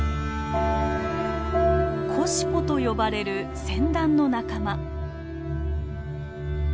コシポと呼ばれるセンダンの仲間。